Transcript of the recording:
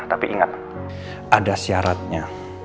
tapi ingat ada syaratnya